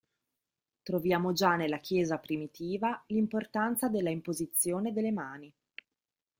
Troviamo già nella Chiesa primitiva l'importanza della imposizione delle mani.